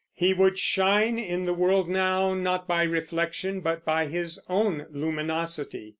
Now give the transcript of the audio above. He would shine in the world now, not by reflection, but by his own luminosity.